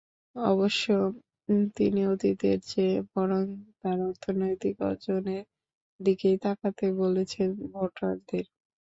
অবশ্য, তিনি অতীতের চেয়ে বরং তাঁর অর্থনৈতিক অর্জনের দিকেই তাকাতে বলেছেন ভোটারদের।